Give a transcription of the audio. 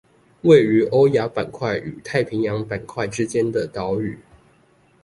位於歐亞板塊與太平洋板塊之間的島嶼